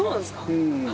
うん。